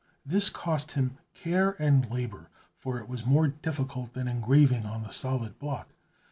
This cost him care and labor, for it was more difficult than engraving on the solid block.